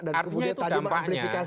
artinya itu dampaknya